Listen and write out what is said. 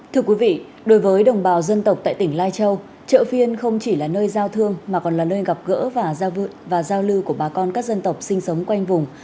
thưa quý vị đối với đồng bào dân tộc tại tỉnh lai châu chợ phiên không chỉ là nơi giao thương mà còn là nơi gặp gỡ và giao lưu của bà con các dân tộc sinh sống quanh vùng